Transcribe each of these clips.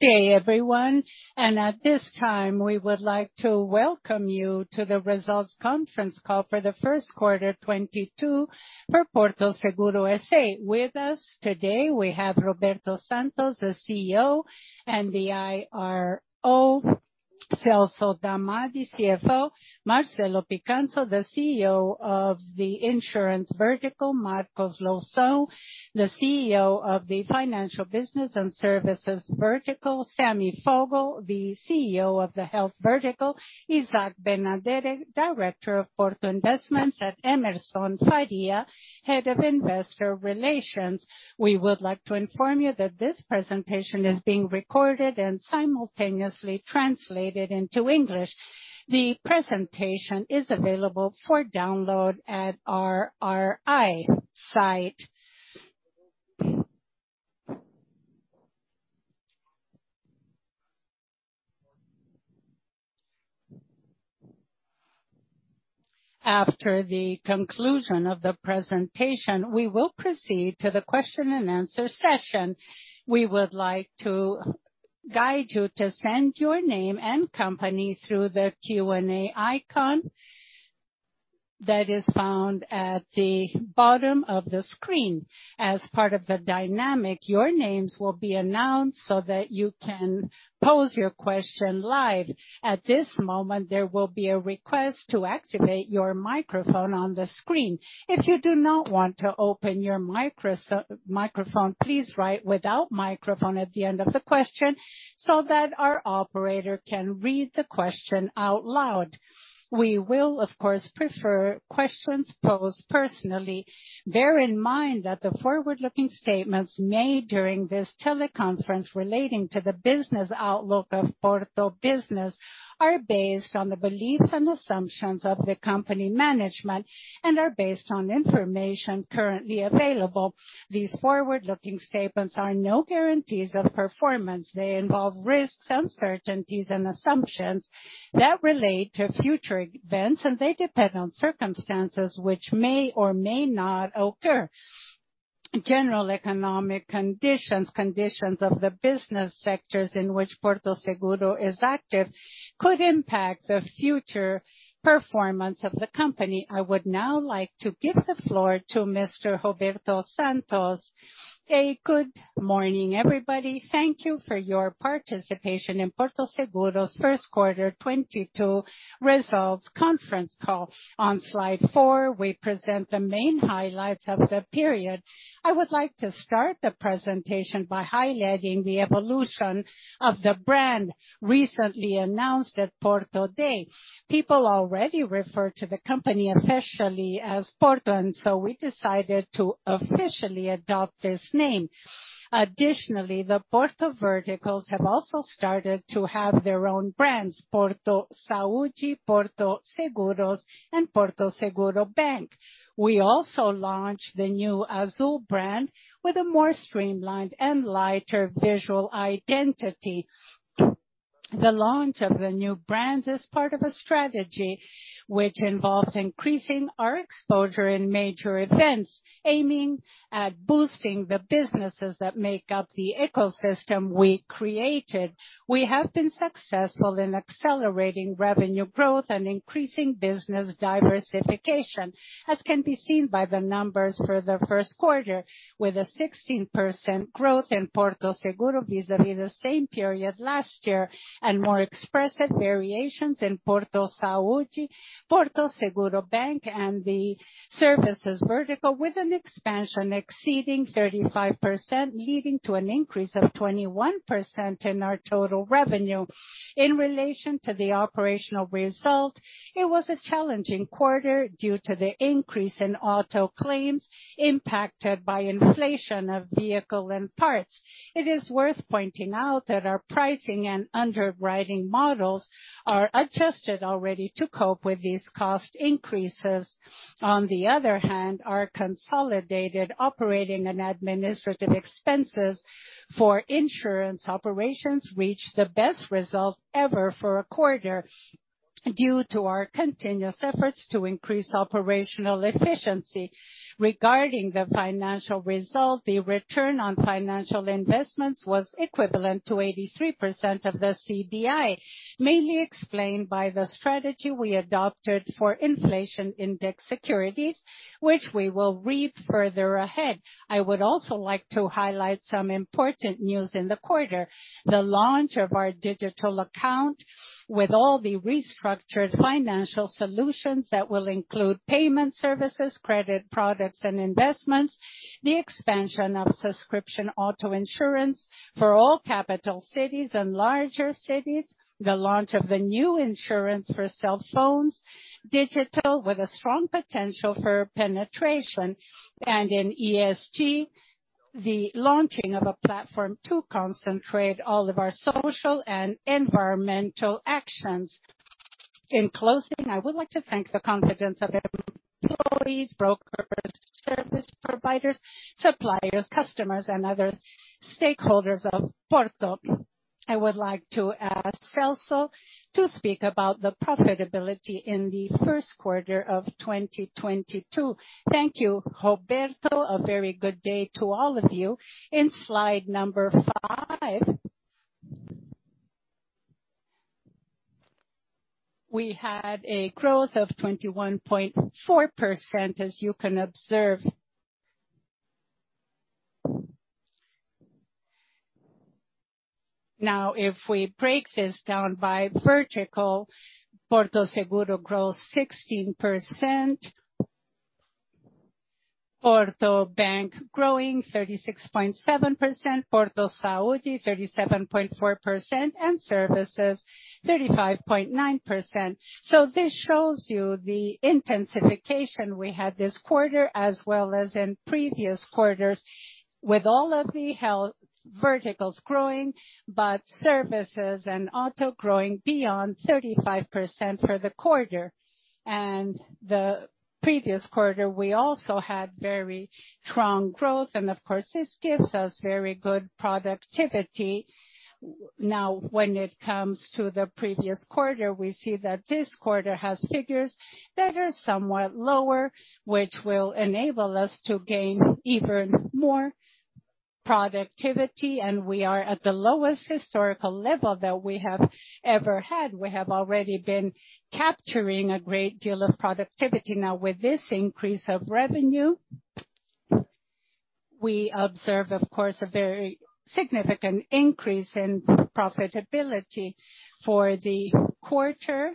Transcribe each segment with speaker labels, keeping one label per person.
Speaker 1: Good day everyone. At this time we would like to welcome you to the results conference call for the first quarter 2022 for Porto Seguro S.A. With us today we have Roberto Santos, the CEO and the IRO. Celso Damadi, CFO. Marcelo Picanço, the CEO of the insurance vertical. Marcos Loução, the CEO of the financial business and services vertical. Sami Foguel, the CEO of the health vertical. Izak Benaderet, director of Porto Investments, and Emerson Faria, head of investor relations. We would like to inform you that this presentation is being recorded and simultaneously translated into English. The presentation is available for download at our RI site. After the conclusion of the presentation, we will proceed to the question and answer session. We would like to guide you to send your name and company through the Q&A icon that is found at the bottom of the screen. As part of the dynamic, your names will be announced so that you can pose your question live. At this moment, there will be a request to activate your microphone on the screen. If you do not want to open your microphone, please write without microphone at the end of the question so that our operator can read the question out loud. We will of course prefer questions posed personally. Bear in mind that the forward-looking statements made during this teleconference relating to the business outlook of Porto business are based on the beliefs and assumptions of the company management and are based on information currently available. These forward-looking statements are no guarantees of performance. They involve risks, uncertainties, and assumptions that relate to future events, and they depend on circumstances which may or may not occur. General economic conditions of the business sectors in which Porto Seguro is active could impact the future performance of the company. I would now like to give the floor to Mr. Roberto Santos.
Speaker 2: Good morning, everybody. Thank you for your participation in Porto Seguro's first quarter 2022 results conference call. On slide four, we present the main highlights of the period. I would like to start the presentation by highlighting the evolution of the brand recently announced at Porto Day. People already refer to the company officially as Porto, and so we decided to officially adopt this name. Additionally, the Porto verticals have also started to have their own brands, Porto Saúde, Porto Seguro, and Porto Bank. We also launched the new Azul brand with a more streamlined and lighter visual identity. The launch of the new brands is part of a strategy which involves increasing our exposure in major events, aiming at boosting the businesses that make up the ecosystem we created. We have been successful in accelerating revenue growth and increasing business diversification, as can be seen by the numbers for the first quarter. With a 16% growth in Porto Seguro vis-à-vis the same period last year, and more expressive variations in Porto Saúde, Porto Bank, and Porto Serviços, with an expansion exceeding 35%, leading to an increase of 21% in our total revenue. In relation to the operational result, it was a challenging quarter due to the increase in auto claims impacted by inflation of vehicles and parts. It is worth pointing out that our pricing and underwriting models are adjusted already to cope with these cost increases. On the other hand, our consolidated operating and administrative expenses for insurance operations reached the best result ever for a quarter due to our continuous efforts to increase operational efficiency. Regarding the financial result, the return on financial investments was equivalent to 83% of the CDI, mainly explained by the strategy we adopted for inflation index securities, which we will reap further ahead. I would also like to highlight some important news in the quarter. The launch of our digital account with all the restructured financial solutions that will include payment services, credit products and investments, the expansion of subscription auto insurance for all capital cities and larger cities, the launch of the new insurance for cell phones, digital with a strong potential for penetration, and in ESG, the launching of a platform to concentrate all of our social and environmental actions. In closing, I would like to thank the confidence of employees, brokers, service providers, suppliers, customers and other stakeholders of Porto. I would like to ask Celso Damadi to speak about the profitability in the first quarter of 2022.
Speaker 3: Thank you, Roberto Santos. A very good day to all of you. In slide number five, we had a growth of 21.4%, as you can observe. Now, if we break this down by vertical, Porto Seguro grew 16%, Porto Bank growing 36.7%, Porto Saúde 37.4%, and Porto Serviços 35.9%. So this shows you the intensification we had this quarter as well as in previous quarters with all of the health verticals growing, but services and auto growing beyond 35% for the quarter. The previous quarter, we also had very strong growth. Of course, this gives us very good productivity. Now, when it comes to the previous quarter, we see that this quarter has figures that are somewhat lower, which will enable us to gain even more productivity. We are at the lowest historical level that we have ever had. We have already been capturing a great deal of productivity now. With this increase of revenue, we observe, of course, a very significant increase in profitability. For the quarter,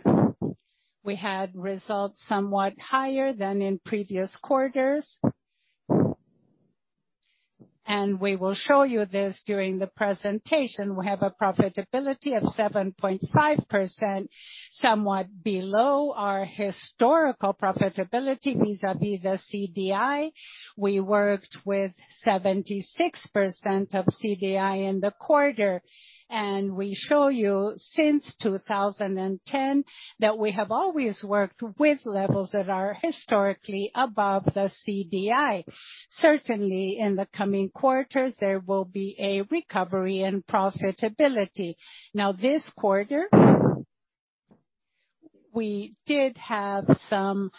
Speaker 3: we had results somewhat higher than in previous quarters. We will show you this during the presentation. We have a profitability of 7.5%, somewhat below our historical profitability vis-a-vis the CDI. We worked with 76% of CDI in the quarter, and we show you since 2010 that we have always worked with levels that are historically above the CDI. Certainly, in the coming quarters, there will be a recovery in profitability. Now, this quarter, we did have some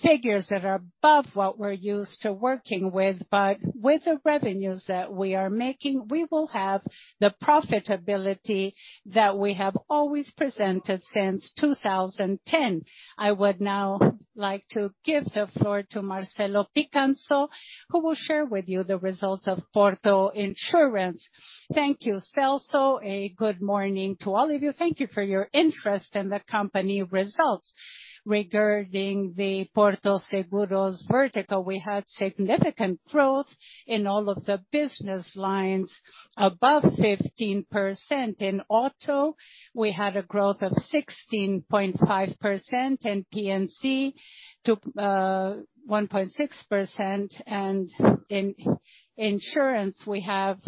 Speaker 3: figures that are above what we're used to working with, but with the revenues that we are making, we will have the profitability that we have always presented since 2010. I would now like to give the floor to Marcelo Picanço, who will share with you the results of Porto Seguro. Thank you, Celso. Good morning to all of you. Thank you for your interest in the company results. Regarding the Porto Seguro's vertical, we had significant growth in all of the business lines above 15%. In auto, we had a growth of 16.5%, and P&C took 1.6%. In insurance, we have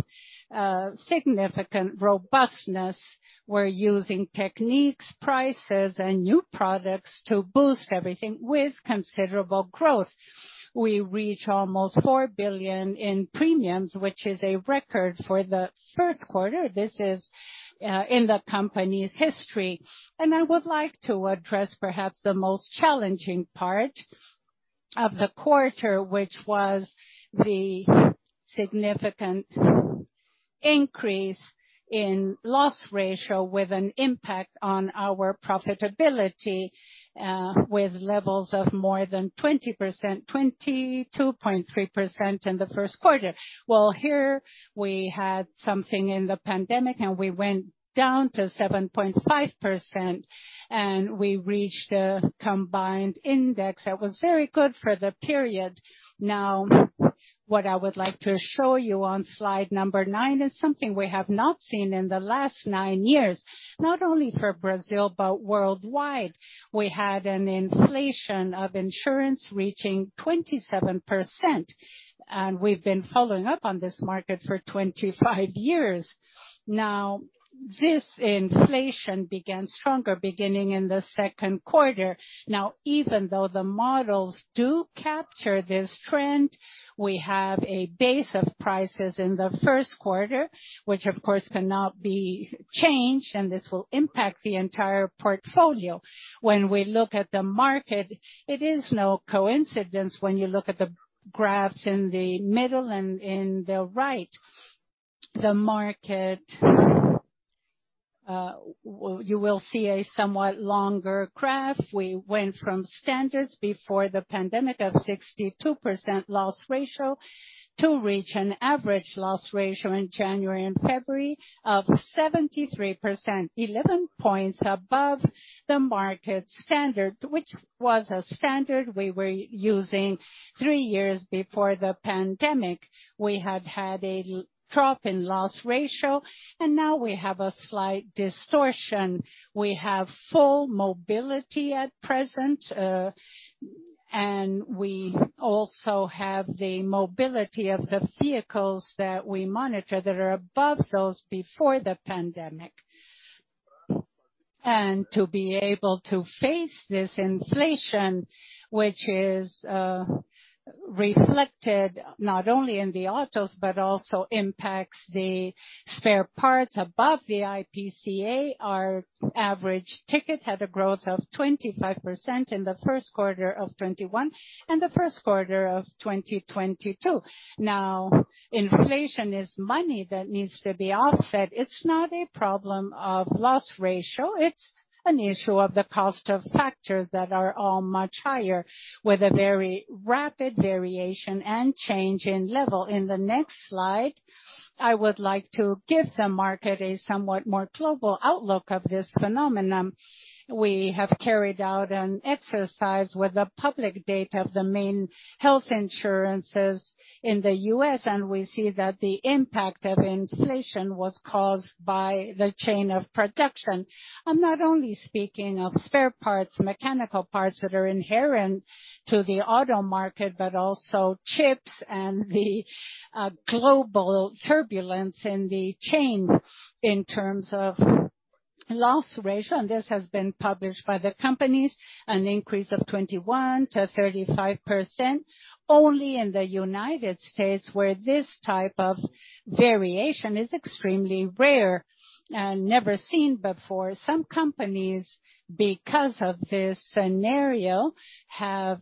Speaker 3: significant robustness. We're using techniques, prices, and new products to boost everything with considerable growth. We reach almost four billion in premiums, which is a record for the first quarter. This is in the company's history. I would like to address perhaps the most challenging part of the quarter, which was the significant increase in loss ratio with an impact on our profitability, with levels of more than 20%, 22.3% in the first quarter. Well, here we had something in the pandemic, and we went down to 7.5%, and we reached a combined index that was very good for the period. Now, what I would like to show you on slide number nine is something we have not seen in the last nine years, not only for Brazil, but worldwide. We had an inflation of insurance reaching 27%, and we've been following up on this market for 25 years. Now, this inflation began stronger beginning in the second quarter. Now, even though the models do capture this trend, we have a base of prices in the first quarter, which of course cannot be changed, and this will impact the entire portfolio. When we look at the market, it is no coincidence when you look at the graphs in the middle and in the right. The market, you will see a somewhat longer graph. We went from standards before the pandemic of 62% loss ratio to reach an average loss ratio in January and February of 73%, 11 points above the market standard, which was a standard we were using three years before the pandemic. We had a drop in loss ratio, and now we have a slight distortion. We have full mobility at present, and we also have the mobility of the vehicles that we monitor that are above those before the pandemic. To be able to face this inflation, which is reflected not only in the autos, but also in the spare parts above the IPCA. Our average ticket had a growth of 25% in the first quarter of 2021 and the first quarter of 2022. Now, inflation is money that needs to be offset. It's not a problem of loss ratio, it's an issue of the cost of factors that are all much higher, with a very rapid variation and change in level. In the next slide, I would like to give the market a somewhat more global outlook of this phenomenon. We have carried out an exercise with the public data of the main health insurers in the U.S., and we see that the impact of inflation was caused by the supply chain. I'm not only speaking of spare parts, mechanical parts that are inherent to the auto market, but also chips and the global turbulence in the supply chain. In terms of loss ratio, and this has been published by the companies, an increase of 21%-35% only in the United States, where this type of variation is extremely rare, never seen before. Some companies, because of this scenario, have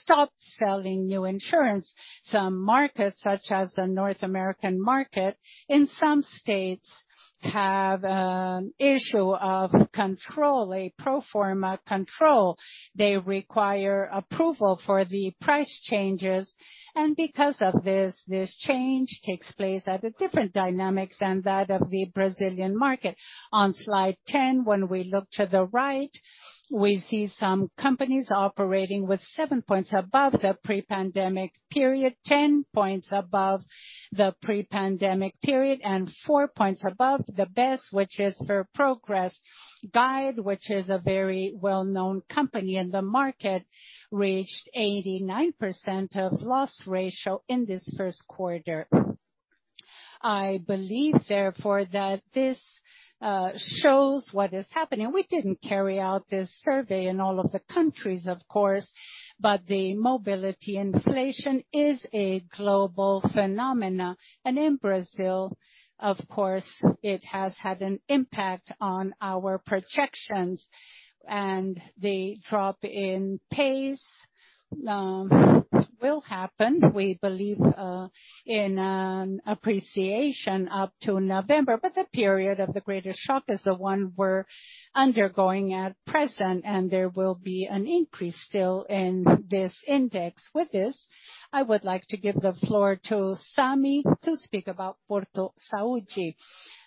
Speaker 3: stopped selling new insurance. Some markets, such as the North American market, in some states have an issue of control, a pro forma control. They require approval for the price changes. Because of this change takes place at a different dynamics than that of the Brazilian market. On slide 10, when we look to the right, we see some companies operating with seven points above the pre-pandemic period, 10 points above the pre-pandemic period, and four points above the best, which is for Progressive, which is a very well-known company in the market, reached 89% loss ratio in this first quarter. I believe, therefore, that this shows what is happening. We didn't carry out this survey in all of the countries, of course, but the mobility inflation is a global phenomenon. In Brazil, of course, it has had an impact on our projections, and the drop in pace will happen. We believe in an appreciation up to November, but the period of the greatest shock is the one we're undergoing at present, and there will be an increase still in this index. With this, I would like to give the floor to Sami to speak about Porto Saúde.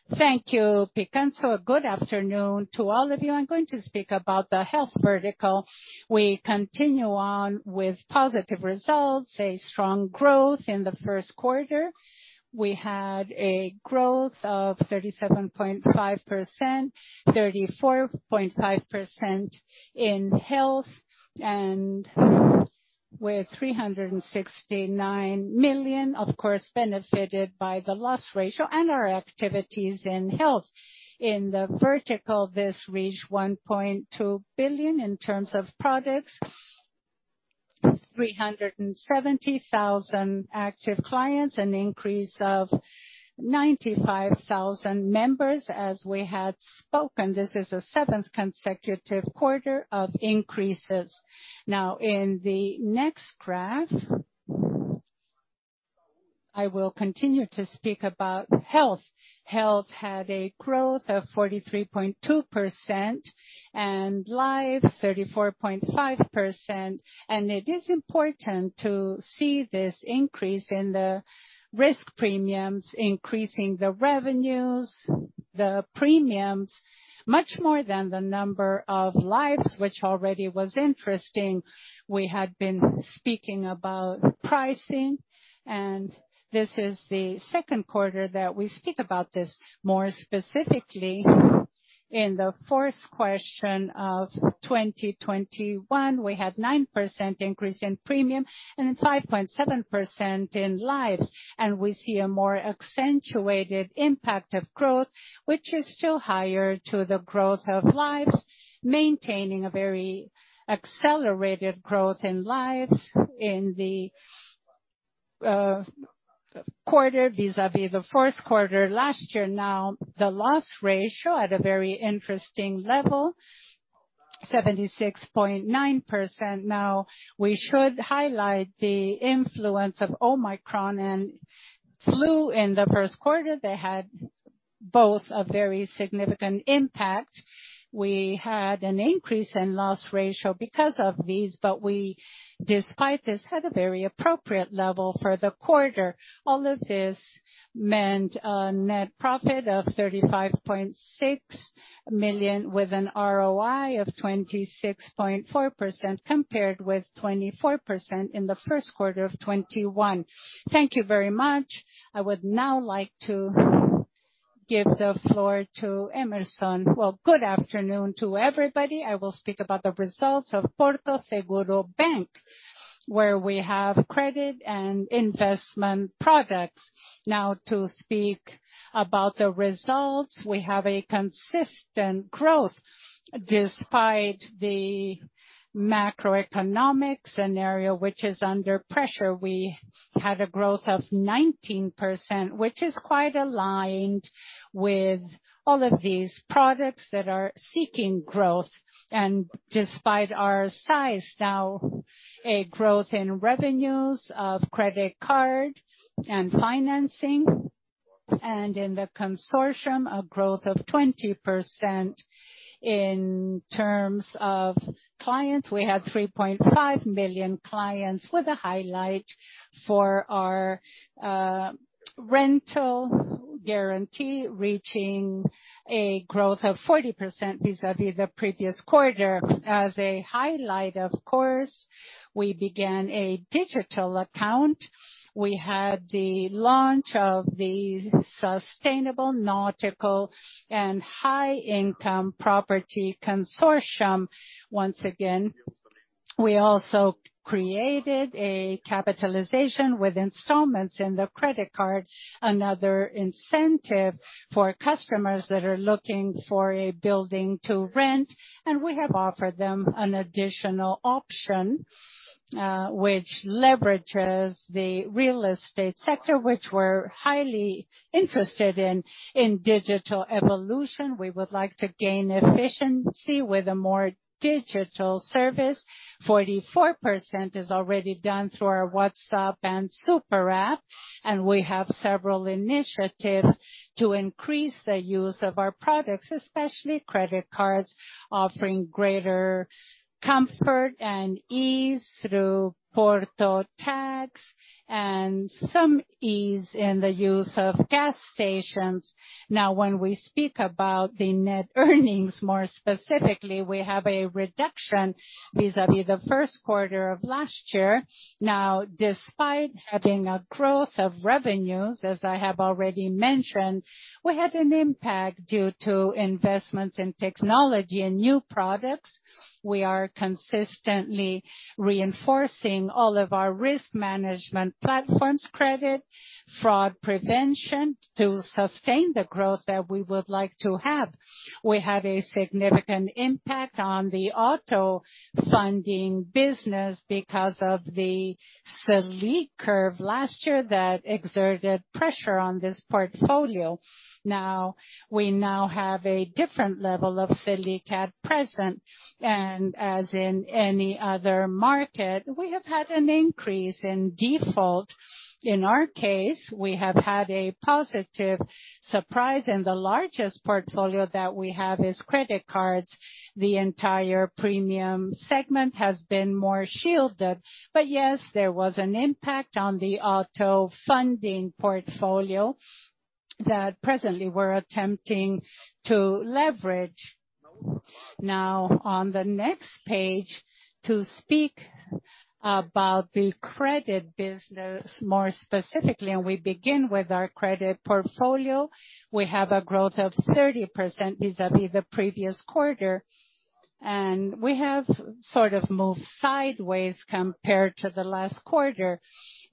Speaker 3: Thank you, Picanço. Good afternoon to all of you. I'm going to speak about the health vertical. We continue on with positive results, a strong growth in the first quarter. We had a growth of 37.5%, 34.5% in health, and with 369 million, of course, benefited by the loss ratio and our activities in health. In the vertical, this reached 1.2 billion in terms of products. 370,000 active clients, an increase of 95,000 members. As we had spoken, this is the 7th consecutive quarter of increases. Now, in the next graph, I will continue to speak about health. Health had a growth of 43.2%, and life 34.5%. It is important to see this increase in the risk premiums, increasing the revenues, the premiums, much more than the number of lives, which already was interesting. We had been speaking about pricing, and this is the second quarter that we speak about this more specifically. In the fourth quarter of 2021, we had 9% increase in premium and 5.7% in lives. We see a more accentuated impact of growth, which is still higher than the growth of lives, maintaining a very accelerated growth in lives in the quarter vis-à-vis the fourth quarter last year. Now, the loss ratio at a very interesting level, 76.9%. Now, we should highlight the influence of Omicron and flu in the first quarter. They had both a very significant impact. We had an increase in loss ratio because of these, but we, despite this, had a very appropriate level for the quarter. All of this meant a net profit of 35.6 million, with an ROI of 26.4%, compared with 24% in the first quarter of 2021. Thank you very much. I would now like to give the floor to Emerson. Well, good afternoon to everybody. I will speak about the results of Porto Bank, where we have credit and investment products. Now, to speak about the results, we have a consistent growth despite the macroeconomic scenario, which is under pressure. We had a growth of 19%, which is quite aligned with all of these products that are seeking growth and despite our size. Now, a growth in revenues of credit card and financing, and in the consortium, a growth of 20%. In terms of clients, we had 3.5 million clients with a highlight for our rental guarantee, reaching a growth of 40% vis-à-vis the previous quarter. As a highlight, of course, we began a digital account. We had the launch of the sustainable nautical and high-income property consortium. Once again, we also created a capitalization with installments in the credit card, another incentive for customers that are looking for a building to rent. We have offered them an additional option, which leverages the real estate sector, which we're highly interested in. In digital evolution, we would like to gain efficiency with a more digital service. 44% is already done through our WhatsApp and Super App, and we have several initiatives to increase the use of our products, especially credit cards, offering greater comfort and ease through Porto tax and some ease in the use of gas stations. Now, when we speak about the net earnings, more specifically, we have a reduction vis-à-vis the first quarter of last year. Now, despite having a growth of revenues, as I have already mentioned, we had an impact due to investments in technology and new products. We are consistently reinforcing all of our risk management platforms, credit, fraud prevention, to sustain the growth that we would like to have. We had a significant impact on the auto funding business because of the Selic curve last year that exerted pressure on this portfolio. Now, we have a different level of Selic at present. As in any other market, we have had an increase in default. In our case, we have had a positive surprise, and the largest portfolio that we have is credit cards. The entire premium segment has been more shielded. Yes, there was an impact on the auto funding portfolio that presently we're attempting to leverage. Now, on the next page, to speak about the credit business more specifically, and we begin with our credit portfolio. We have a growth of 30% vis-à-vis the previous quarter, and we have sort of moved sideways compared to the last quarter.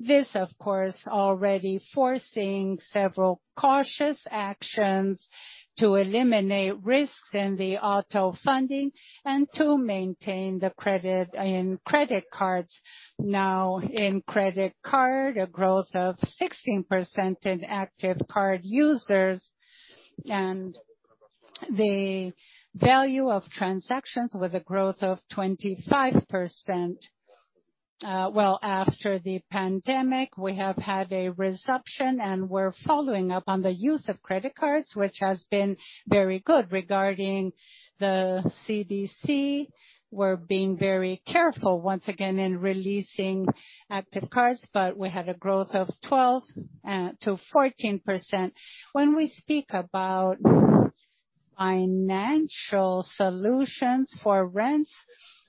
Speaker 3: This, of course, already forcing several cautious actions to eliminate risks in the auto funding and to maintain the credit in credit cards. Now, in credit card, a growth of 16% in active card users and the value of transactions with a growth of 25%. Well, after the pandemic, we have had a reception, and we're following up on the use of credit cards, which has been very good. Regarding the CDC, we're being very careful once again in releasing active cards, but we had a growth of 12-14%. When we speak about financial solutions for rents,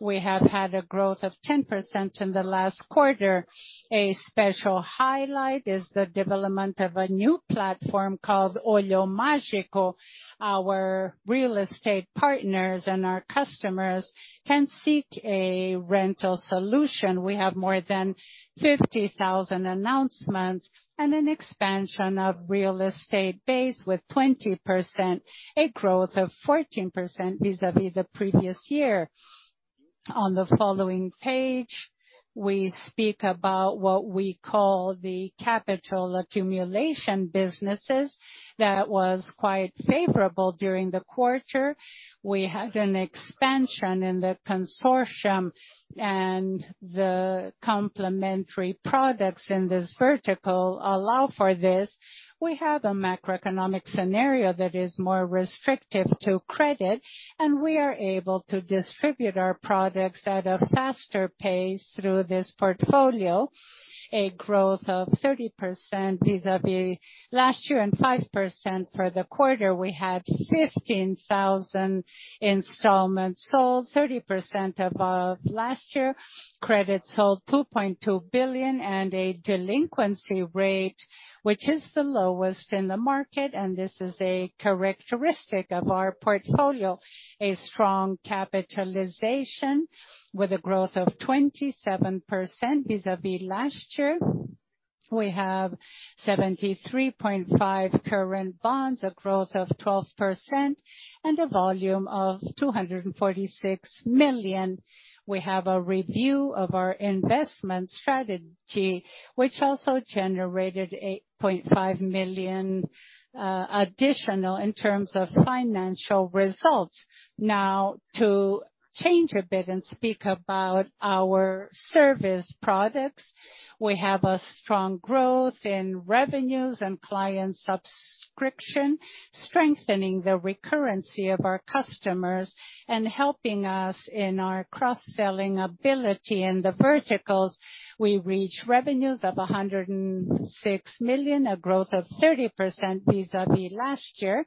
Speaker 3: we have had a growth of 10% in the last quarter. A special highlight is the development of a new platform called Olho Mágico. Our real estate partners and our customers can seek a rental solution. We have more than 50,000 announcements and an expansion of real estate base with 20%, a growth of 14% vis-à-vis the previous year. On the following page, we speak about what we call the capital accumulation businesses that was quite favorable during the quarter. We had an expansion in the consortium, and the complementary products in this vertical allow for this. We have a macroeconomic scenario that is more restrictive to credit, and we are able to distribute our products at a faster pace through this portfolio. A growth of 30% vis-à-vis last year and 5% for the quarter. We had 15,000 installments sold, 30% above last year. Credit sold 2.2 billion and a delinquency rate, which is the lowest in the market, and this is a characteristic of our portfolio. A strong capitalization with a growth of 27% vis-à-vis last year. We have 73.5 current bonds, a growth of 12% and a volume of 246 million. We have a review of our investment strategy, which also generated 8.5 million additional in terms of financial results. Now to change a bit and speak about our service products. We have a strong growth in revenues and client subscription, strengthening the recurrency of our customers and helping us in our cross-selling ability. In the verticals, we reach revenues of 106 million, a growth of 30% vis-à-vis last year.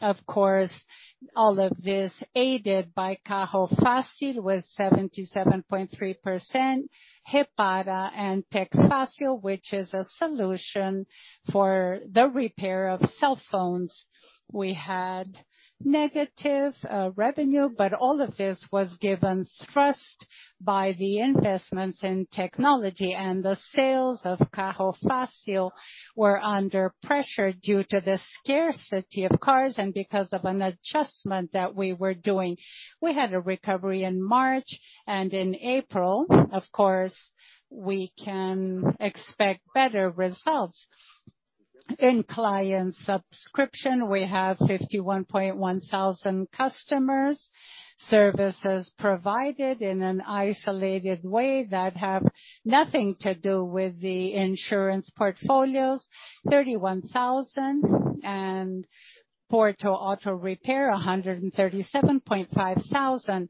Speaker 3: Of course, all of this aided by Carro Fácil with 77.3%, Reppara and Tech Fácil, which is a solution for the repair of cell phones. We had negative revenue, but all of this was given thrust by the investments in technology and the sales of Carro Fácil were under pressure due to the scarcity of cars and because of an adjustment that we were doing.
Speaker 4: We had a recovery in March and in April. Of course, we can expect better results. In client subscription, we have 51.1 thousand customers. Services provided in an isolated way that have nothing to do with the insurance portfolios, 31 thousand. Porto Auto Repair, 137.5 thousand.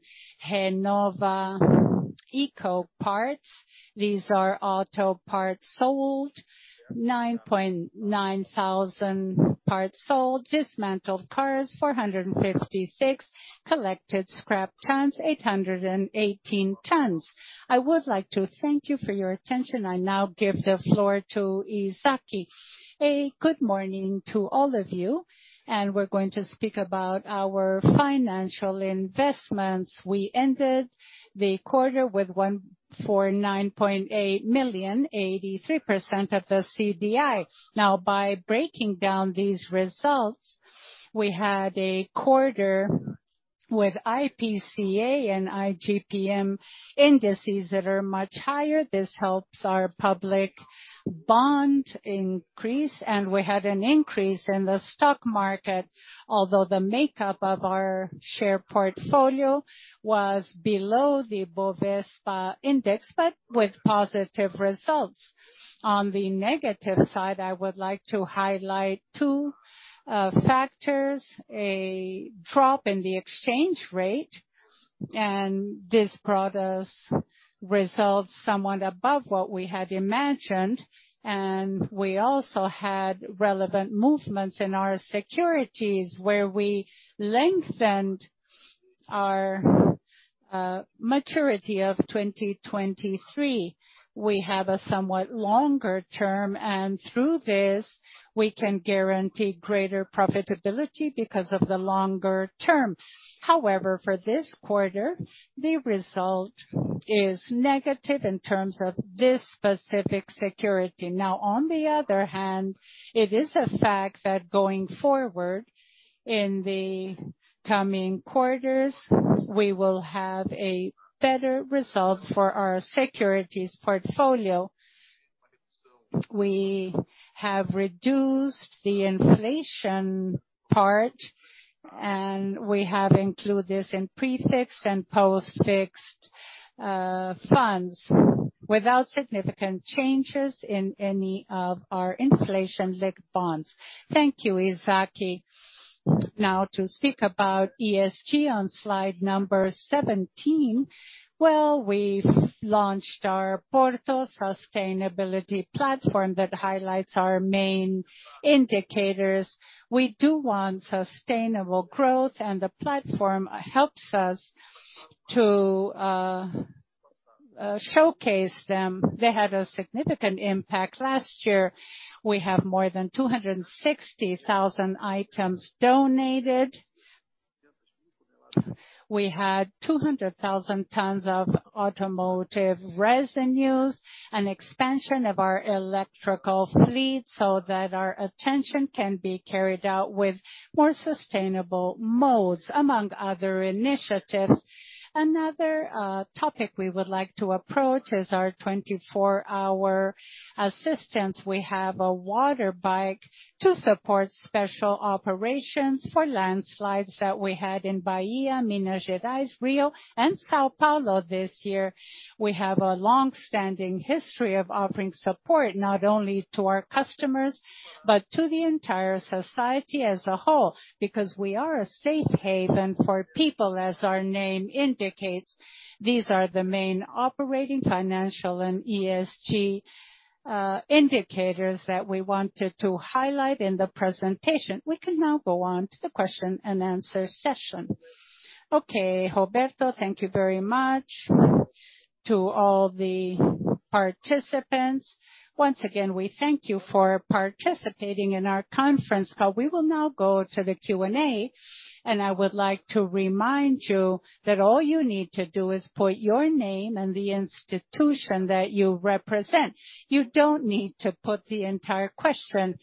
Speaker 4: Renova Ecopeças, these are auto parts sold, 9.9 thousand parts sold. Dismantled cars, 456. Collected scrap tons, 818 tons. I would like to thank you for your attention. I now give the floor to Izak. Good morning to all of you, and we're going to speak about our financial investments. We ended the quarter with 149.8 million, 83% of the CDI. Now by breaking down these results, we had a quarter with IPCA and IGPM indices that are much higher. This helps our public bond increase, and we had an increase in the stock market. Although the makeup of our share portfolio was below the Ibovespa index, but with positive results. On the negative side, I would like to highlight two factors. A drop in the exchange rate, and this brought us results somewhat above what we had imagined, and we also had relevant movements in our securities, where we lengthened our maturity of 2023. We have a somewhat longer term, and through this, we can guarantee greater profitability because of the longer term. However, for this quarter, the result is negative in terms of this specific security. Now, on the other hand, it is a fact that going forward in the coming quarters, we will have a better result for our securities portfolio. We have reduced the inflation part, and we have included this in prefixed and post-fixed funds without significant changes in any of our inflation-linked bonds.
Speaker 2: Thank you, Izak. Now to speak about ESG on slide 17. Well, we've launched our Porto Sustainability Platform that highlights our main indicators. We do want sustainable growth, and the platform helps us to showcase them. They had a significant impact last year. We have more than 260,000 items donated. We had 200,000 tons of automotive residues, an expansion of our electrical fleet, so that our attention can be carried out with more sustainable modes, among other initiatives. Another topic we would like to approach is our 24-hour assistance. We have a water bike to support special operations for landslides that we had in Bahia, Minas Gerais, Rio, and São Paulo this year. We have a long-standing history of offering support, not only to our customers, but to the entire society as a whole, because we are a safe haven for people, as our name indicates. These are the main operating, financial, and ESG indicators that we wanted to highlight in the presentation. We can now go on to the question-and-answer session.
Speaker 5: Okay, Roberto, thank you very much. To all the participants, once again, we thank you for participating in our conference call. We will now go to the Q&A, and I would like to remind you that all you need to do is put your name and the institution that you represent. You don't need to put the entire question.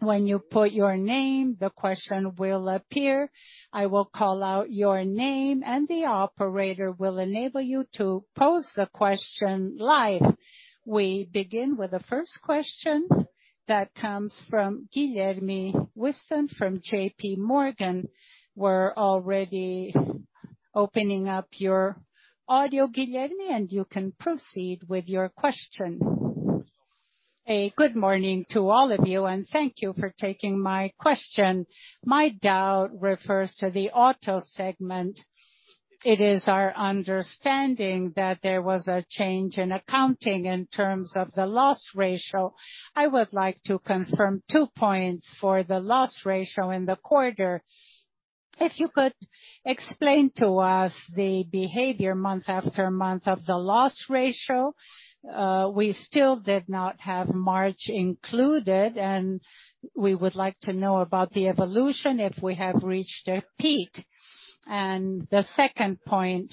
Speaker 5: When you put your name, the question will appear. I will call out your name, and the operator will enable you to pose the question live.
Speaker 6: We begin with the first question that comes from Guilherme Grespan from JP Morgan. We're already opening up your audio, Guilherme, and you can proceed with your question. Good morning to all of you, and thank you for taking my question. My doubt refers to the auto segment. It is our understanding that there was a change in accounting in terms of the loss ratio. I would like to confirm two points for the loss ratio in the quarter. If you could explain to us the behavior month after month of the loss ratio, we still did not have March included, and we would like to know about the evolution if we have reached a peak. The second point,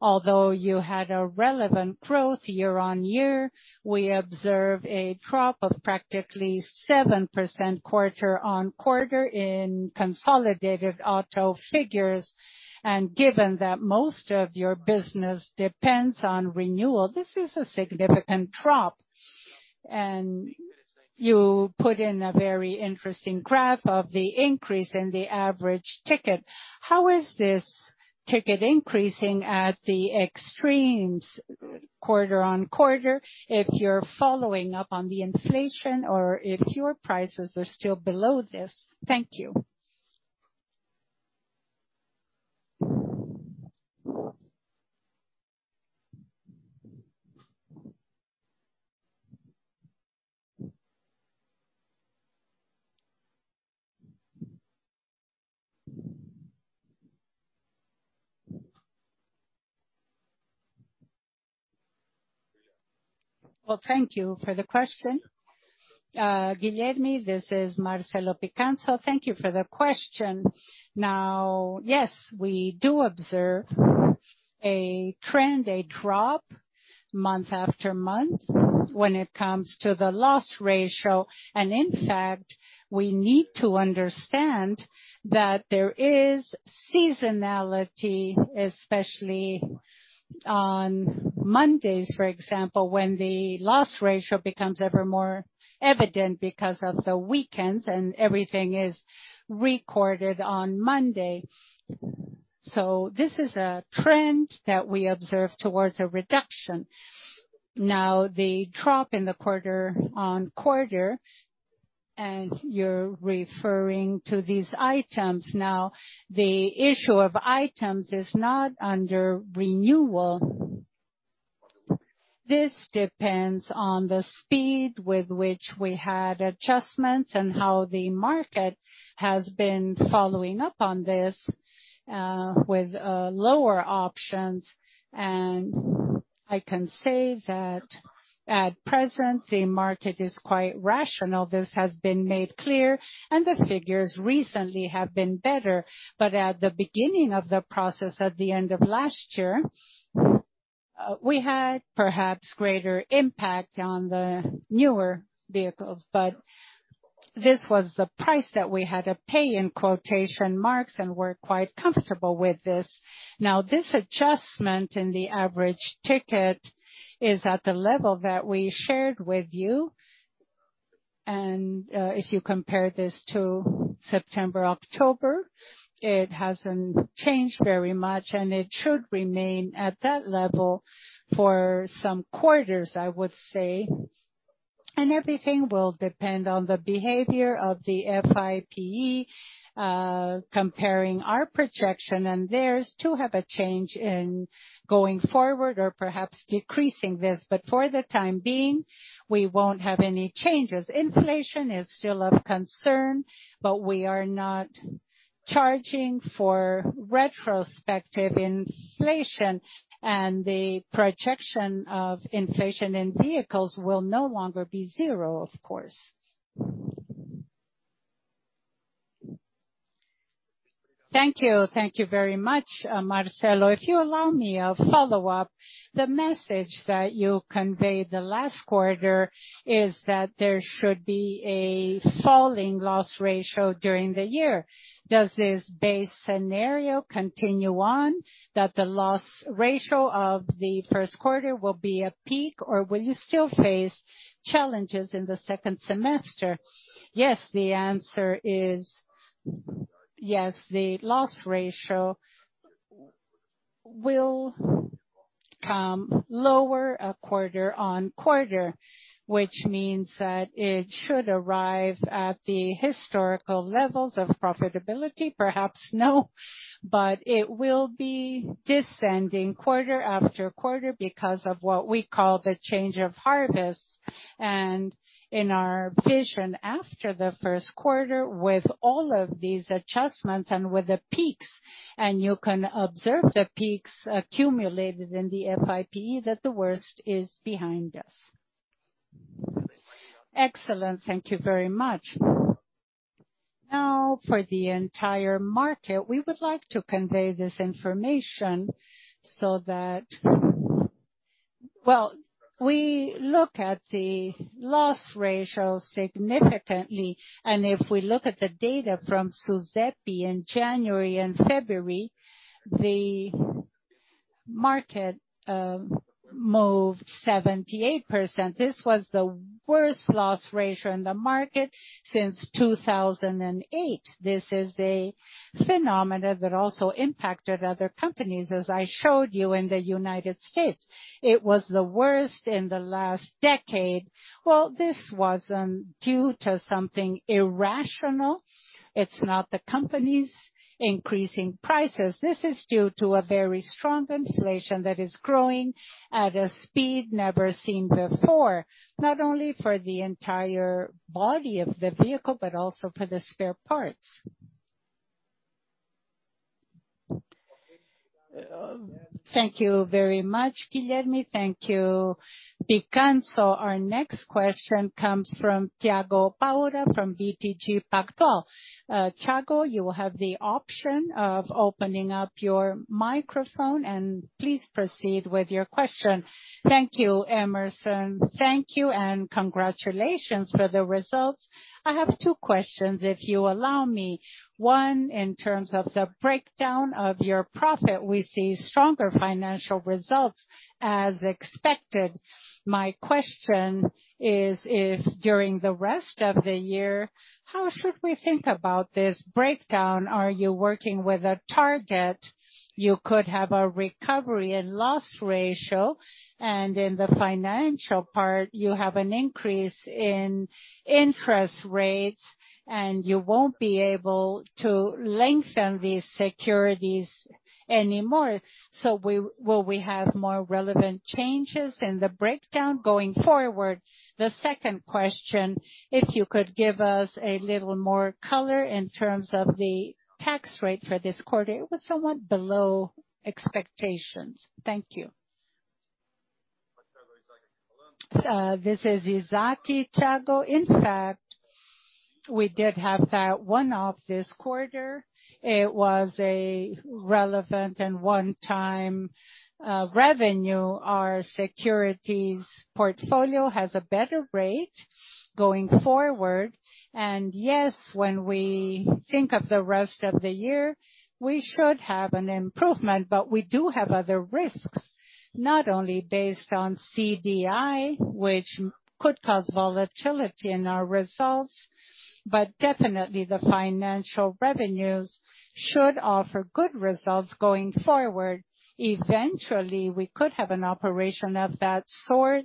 Speaker 6: although you had a relevant growth year-on-year, we observe a drop of practically 7% quarter-on-quarter in consolidated auto figures.
Speaker 7: Given that most of your business depends on renewal, this is a significant drop. You put in a very interesting graph of the increase in the average ticket. How is this ticket increasing at the extremes quarter-on-quarter if you're following up on the inflation or if your prices are still below this? Thank you. Well, thank you for the question. Guilherme, this is Marcelo Picanço. Thank you for the question. Now, yes, we do observe a trend, a drop month after month when it comes to the loss ratio. In fact, we need to understand that there is seasonality, especially on Mondays, for example, when the loss ratio becomes ever more evident because of the weekends, and everything is recorded on Monday. This is a trend that we observe towards a reduction.
Speaker 1: Now, the drop in the quarter-over-quarter, and you're referring to these items. Now, the issue of items is not under renewal. This depends on the speed with which we had adjustments and how the market has been following up on this, with lower options. I can say that at present, the market is quite rational. This has been made clear, and the figures recently have been better. At the beginning of the process, at the end of last year, we had perhaps greater impact on the newer vehicles. This was the price that we had to pay in quotation marks, and we're quite comfortable with this. Now, this adjustment in the average ticket is at the level that we shared with you. If you compare this to September, October, it hasn't changed very much, and it should remain at that level for some quarters, I would say. Everything will depend on the behavior of the FIPE, comparing our projection, and theirs too have a change in going forward or perhaps decreasing this. For the time being, we won't have any changes. Inflation is still of concern, but we are not charging for retrospective inflation, and the projection of inflation in vehicles will no longer be zero, of course. Thank you. Thank you very much, Marcelo. If you allow me a follow-up, the message that you conveyed the last quarter is that there should be a falling loss ratio during the year. Does this base scenario continue on, that the loss ratio of the first quarter will be a peak, or will you still face challenges in the second semester? Yes. The answer is yes. The loss ratio will come lower, quarter-over-quarter, which means that it should arrive at the historical levels of profitability. Perhaps no, but it will be descending quarter after quarter because of what we call the change of harvest. In our vision, after the first quarter, with all of these adjustments and with the peaks, and you can observe the peaks accumulated in the FIPE, that the worst is behind us. Excellent. Thank you very much. Now for the entire market, we would like to convey this information so that.
Speaker 8: Well, we look at the loss ratio significantly, and if we look at the data from SUSEP in January and February, the market moved 78%. This was the worst loss ratio in the market since 2008. This is a phenomena that also impacted other companies, as I showed you in the United States. It was the worst in the last decade. Well, this wasn't due to something irrational. It's not the companies increasing prices. This is due to a very strong inflation that is growing at a speed never seen before, not only for the entire body of the vehicle, but also for the spare parts. Thank you very much, Guilherme. Thank you, Picanço. Our next question comes from Thiago Paura from BTG Pactual. Thiago, you will have the option of opening up your microphone, and please proceed with your question.
Speaker 4: Thank you, Emerson. Thank you, and congratulations for the results. I have two questions, if you allow me. One, in terms of the breakdown of your profit, we see stronger financial results as expected. My question is, if during the rest of the year, how should we think about this breakdown? Are you working with a target? You could have a recovery in loss ratio, and in the financial part, you have an increase in interest rates, and you won't be able to lengthen these securities anymore. Will we have more relevant changes in the breakdown going forward? The second question, if you could give us a little more color in terms of the tax rate for this quarter. It was somewhat below expectations. Thank you. This is Izak, Thiago. In fact, we did have that one-off this quarter. It was a relevant and one-time revenue.
Speaker 1: Our securities portfolio has a better rate going forward. Yes, when we think of the rest of the year, we should have an improvement. We do have other risks, not only based on CDI, which could cause volatility in our results, but definitely the financial revenues should offer good results going forward. Eventually, we could have an operation of that sort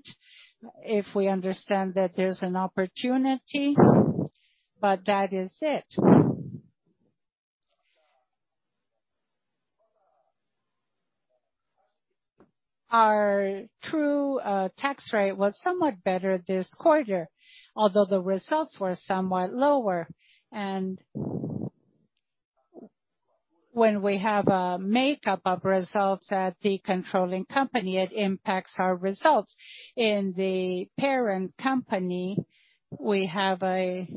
Speaker 1: if we understand that there's an opportunity. That is it. Our true tax rate was somewhat better this quarter, although the results were somewhat lower. When we have a makeup of results at the controlling company, it impacts our results. In the parent company, we have a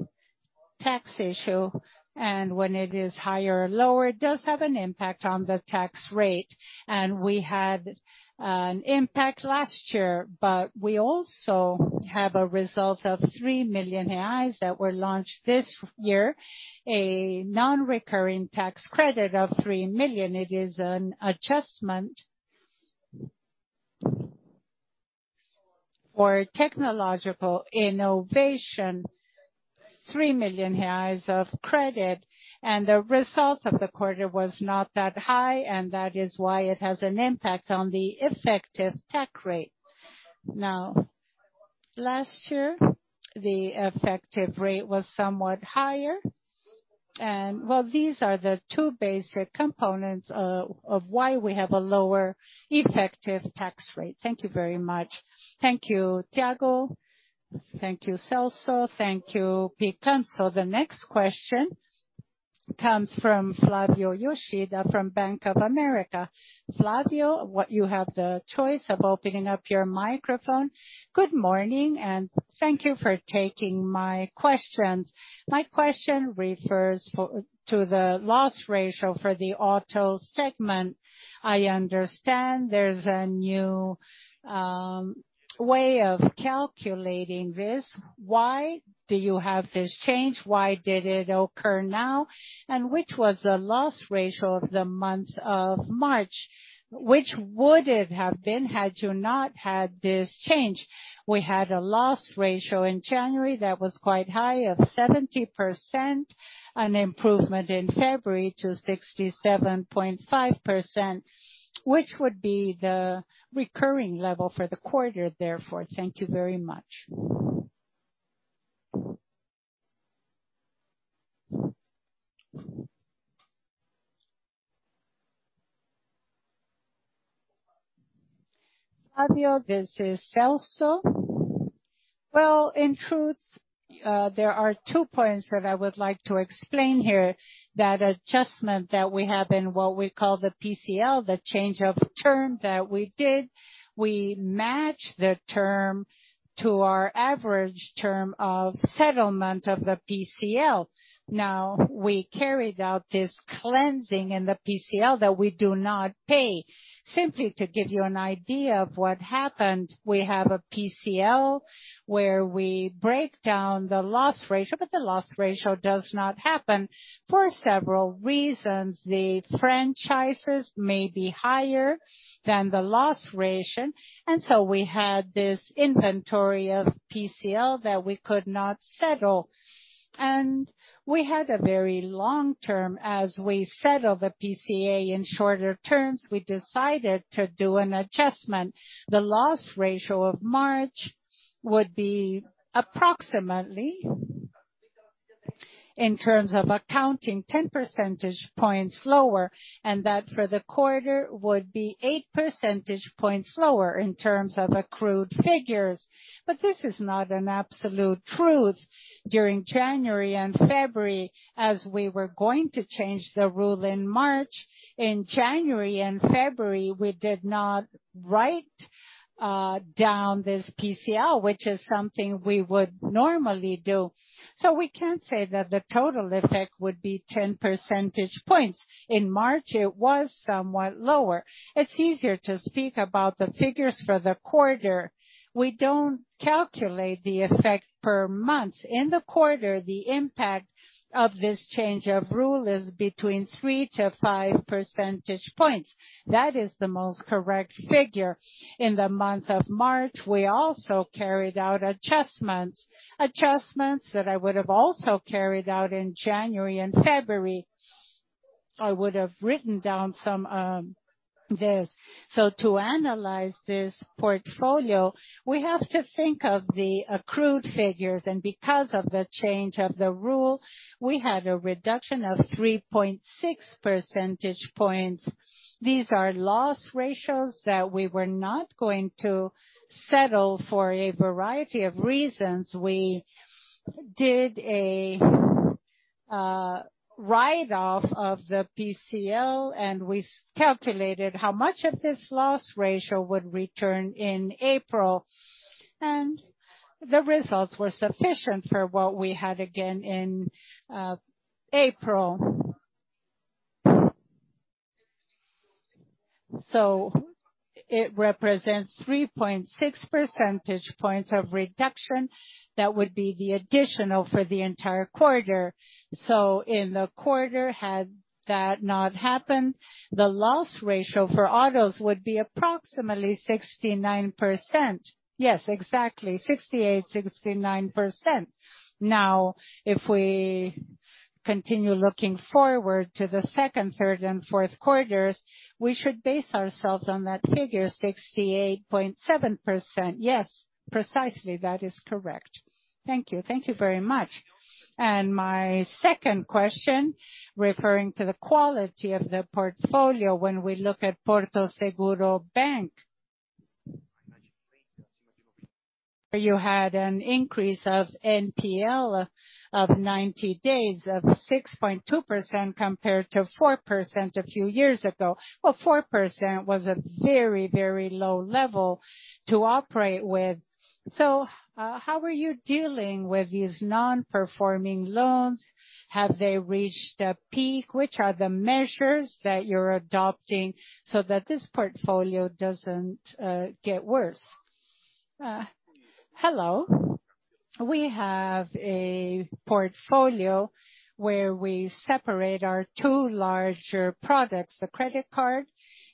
Speaker 1: tax issue, and when it is higher or lower, it does have an impact on the tax rate.
Speaker 5: We had an impact last year, but we also have a result of 3 million reais that were launched this year, a non-recurring tax credit of 3 million. It is an adjustment for technological innovation, 3 million reais of credit. The results of the quarter was not that high, and that is why it has an impact on the effective tax rate. Now, last year, the effective rate was somewhat higher. Well, these are the two basic components of why we have a lower effective tax rate. Thank you very much. Thank you, Thiago. Thank you, Celso. Thank you, Picanço. The next question comes from Flavio Yoshida from Bank of America. Flavio, you have the choice of opening up your microphone. Good morning, and thank you for taking my questions. My question refers to the loss ratio for the auto segment. I understand there's a new way of calculating this. Why do you have this change? Why did it occur now? Which was the loss ratio of the month of March? Which would it have been had you not had this change? We had a loss ratio in January that was quite high of 70%, an improvement in February to 67.5%, which would be the recurring level for the quarter, therefore. Thank you very much. Flavio, this is Celso. Well, in truth, there are two points that I would like to explain here. That adjustment that we have in what we call the PCL, the change of term that we did, we match the term to our average term of settlement of the PCL. Now, we carried out this cleansing in the PCL that we do not pay.
Speaker 1: Simply to give you an idea of what happened, we have a PCL where we break down the loss ratio, but the loss ratio does not happen for several reasons. The franchises may be higher than the loss ratio, and so we had this inventory of PCL that we could not settle. We had a very long term. As we settle the PCL in shorter terms, we decided to do an adjustment. The loss ratio of March would be approximately, in terms of accounting, 10 percentage points lower, and that for the quarter would be 8 percentage points lower in terms of accrued figures. This is not an absolute truth. During January and February, as we were going to change the rule in March, in January and February, we did not write down this PCL, which is something we would normally do. We can't say that the total effect would be 10 percentage points. In March, it was somewhat lower. It's easier to speak about the figures for the quarter. We don't calculate the effect per month. In the quarter, the impact of this change of rule is between three-five percentage points. That is the most correct figure. In the month of March, we also carried out adjustments that I would have also carried out in January and February. I would have written down some, this. To analyze this portfolio, we have to think of the accrued figures. Because of the change of the rule, we had a reduction of 3.6 percentage points. These are loss ratios that we were not going to settle for a variety of reasons. We did a write-off of the PCLD, and we recalculated how much of this loss ratio would return in April, and the results were sufficient for what we had again in April. It represents 3.6 percentage points of reduction. That would be the additional for the entire quarter. In the quarter, had that not happened, the loss ratio for autos would be approximately 69%. Yes, exactly, 68, 69%. Now, if we continue looking forward to the second, third and fourth quarters, we should base ourselves on that figure, 68.7%. Yes, precisely. That is correct. Thank you. Thank you very much. My second question, referring to the quality of the portfolio. When we look at Porto Bank, you had an increase of NPL of 90 days of 6.2% compared to 4% a few years ago. Well, 4% was a very, very low level to operate with. How are you dealing with these non-performing loans? Have they reached a peak? Which are the measures that you're adopting so that this portfolio doesn't get worse? Hello. We have a portfolio where we separate our two larger products, the credit card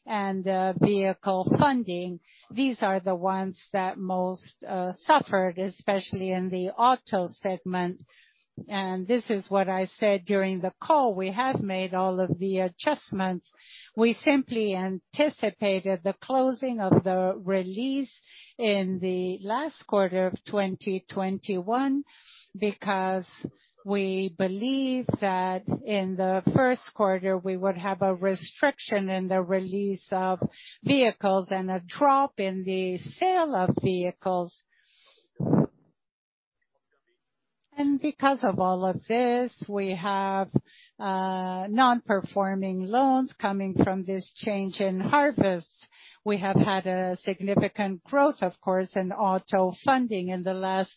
Speaker 1: and vehicle funding. These are the ones that most suffered, especially in the auto segment. This is what I said during the call. We have made all of the adjustments. We simply anticipated the closing of the release in the last quarter of 2021 because we believe that in the first quarter we would have a restriction in the release of vehicles and a drop in the sale of vehicles. Because of all of this, we have non-performing loans coming from this change in harvest. We have had a significant growth, of course, in auto funding in the last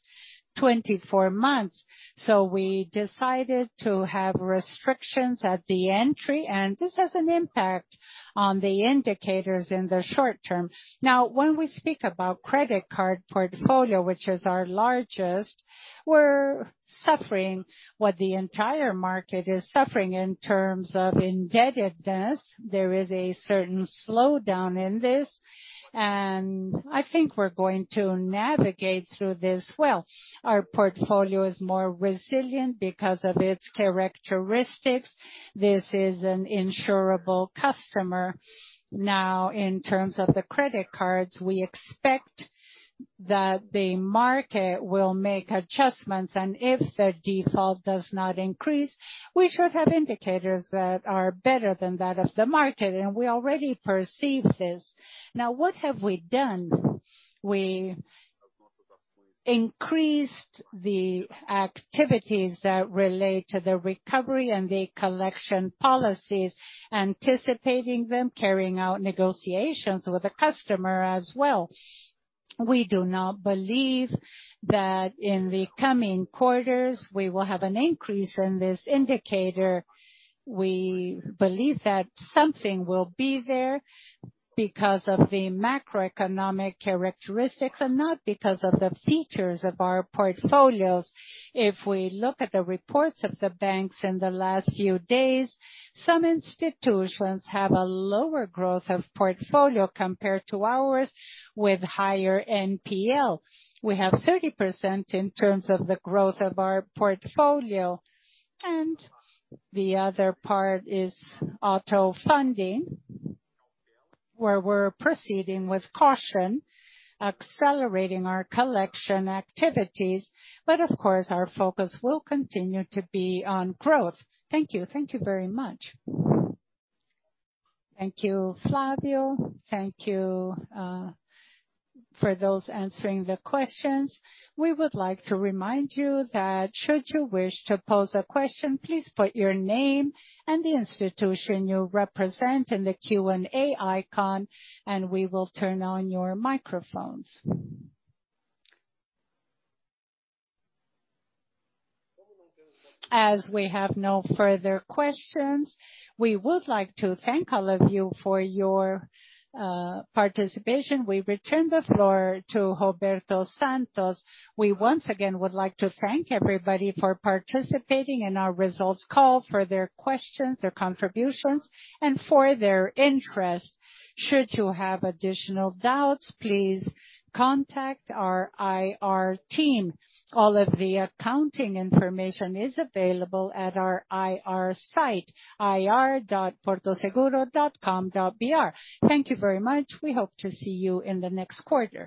Speaker 1: 24 months. We decided to have restrictions at the entry, and this has an impact on the indicators in the short term. Now, when we speak about credit card portfolio, which is our largest, we're suffering what the entire market is suffering in terms of indebtedness. There is a certain slowdown in this, and I think we're going to navigate through this well. Our portfolio is more resilient because of its characteristics. This is an insurable customer. Now, in terms of the credit cards, we expect that the market will make adjustments, and if the default does not increase, we should have indicators that are better than that of the market. We already perceive this. Now, what have we done? We increased the activities that relate to the recovery and the collection policies, anticipating them carrying out negotiations with the customer as well. We do not believe that in the coming quarters, we will have an increase in this indicator. We believe that something will be there because of the macroeconomic characteristics and not because of the features of our portfolios. If we look at the reports of the banks in the last few days, some institutions have a lower growth of portfolio compared to ours with higher NPL. We have 30% in terms of the growth of our portfolio. The other part is auto funding, where we're proceeding with caution, accelerating our collection activities, but of course, our focus will continue to be on growth. Thank you. Thank you very much. Thank you, Flavio. Thank you for those answering the questions. We would like to remind you that should you wish to pose a question, please put your name and the institution you represent in the Q&A icon, and we will turn on your microphones. As we have no further questions, we would like to thank all of you for your participation. We return the floor to Roberto Santos. We once again would like to thank everybody for participating in our results call for their questions, their contributions, and for their interest. Should you have additional doubts, please contact our IR team. All of the accounting information is available at our IR site, ri.portoseguro.com.br.
Speaker 2: Thank you very much. We hope to see you in the next quarter.